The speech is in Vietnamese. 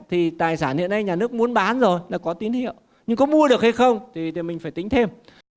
thì tài sản hiện nay nhà nước muốn bán rồi là có tín hiệu nhưng có mua được hay không thì mình phải tính thêm